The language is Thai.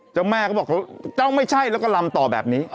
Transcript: เจ้าแม่ก็บอกเจ้าไม่ใช่แล้วก็ลำต่อแบบนี้